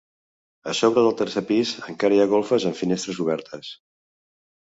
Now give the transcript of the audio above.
A sobre del tercer pis encara hi ha golfes amb finestres obertes.